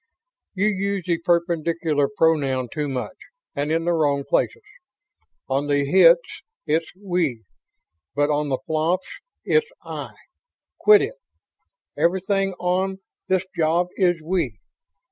"You use the perpendicular pronoun too much and in the wrong places. On the hits it's 'we', but on the flops it's 'I'. Quit it. Everything on this job is 'we'.